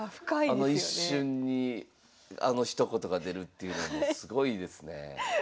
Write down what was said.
あの一瞬にあのひと言が出るっていうのもすごいですね。